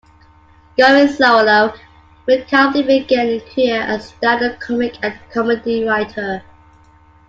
Going solo, McCarthy began a career as a stand-up comic and comedy writer.